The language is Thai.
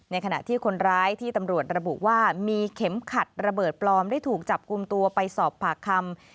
ขณะที่คนร้ายที่ตำรวจระบุว่ามีเข็มขัดระเบิดปลอมได้ถูกจับกลุ่มตัวไปสอบปากคำ